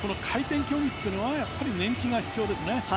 回転競技っていうのはやはり年季が必要です。